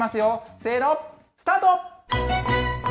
せーの、スタート。